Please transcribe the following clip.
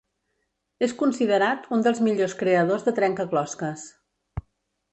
És considerat un dels millors creadors de trencaclosques.